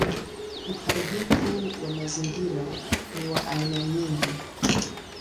Uharibifu wa mazingira ni wa aina nyingi.